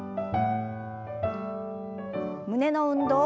胸の運動。